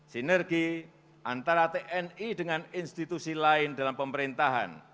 sinergi antara tni dengan institusi lain dalam pemerintahan